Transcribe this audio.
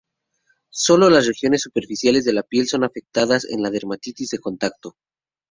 Sólo las regiones superficiales de la piel son afectadas en la dermatitis de contacto.